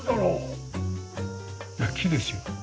いや木ですよ。